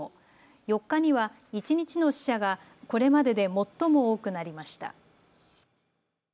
４日には一日の死者がこれまでで最も多くなりました。